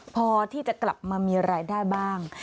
พอที่จะกลับมามีรายได้บ้าง